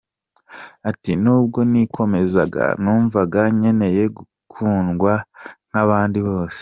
Ati “Nubwo nikomezaga ,numvaga nkeneye gukundwa nk’abandi bose .